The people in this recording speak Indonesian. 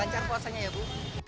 lancar puasanya ya bu